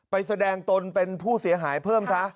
แสดงตนเป็นผู้เสียหายเพิ่มซะ